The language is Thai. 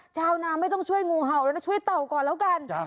ชาวนาไม่ต้องช่วยงูเห่าแล้วนะช่วยเต่าก่อนแล้วกัน